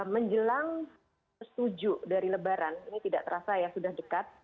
menjelang setuju dari lebaran ini tidak terasa ya sudah dekat